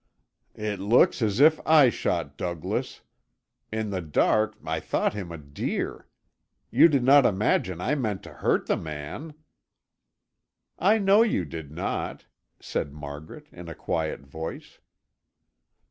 "It looks as if I shot Douglas; in the dark, I thought him a deer. You did not imagine I meant to hurt the man?" "I know you did not," said Margaret in a quiet voice.